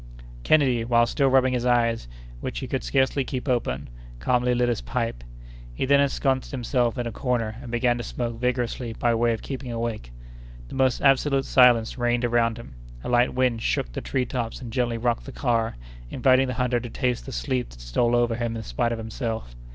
Kennedy, while still rubbing his eyes, which he could scarcely keep open, calmly lit his pipe. He then ensconced himself in a corner, and began to smoke vigorously by way of keeping awake. The most absolute silence reigned around him; a light wind shook the tree tops and gently rocked the car, inviting the hunter to taste the sleep that stole over him in spite of himself.